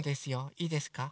いいですか？